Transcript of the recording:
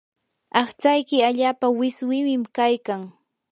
aqtsayki allaapa wiswimim kaykan.